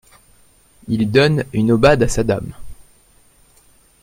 Il donne une aubade à sa dame.